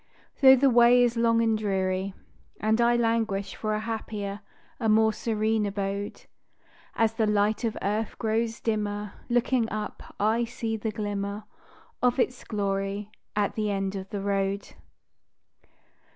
Though the way is long and dreary, And I languish for a happier, a more serene abode, As the light of earth grows dimmer, Looking up, I see the glimmer Of its glory at the end of the road.